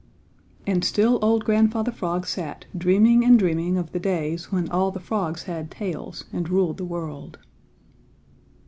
And still old Grandfather Frog sat dreaming and dreaming of the days when all the frogs had tails and ruled the world.